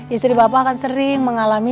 istri bapak akan sering mengalami